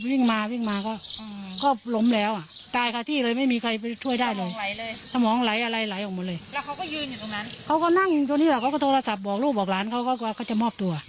แล้วเขาก็ยืนอยู่ตรงนั้นเขาก็นั่งตัวนี้แหละเขาก็โทรศัพท์บอกลูบบอกล้านเขาก็ก็จะมอบตัว